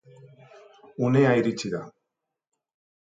Unea iritsi da.